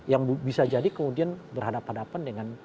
yang bisa jadi kemudian berhadapan hadapan dengan